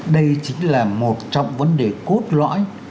đây chính là một trong vấn đề cốt lõi